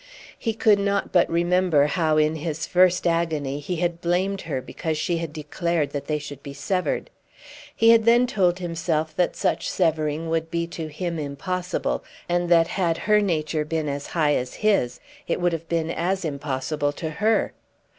He could not but remember how in his first agony he had blamed her because she had declared that they should be severed. He had then told himself that such severing would be to him impossible, and that had her nature been as high as his, it would have been as impossible to her.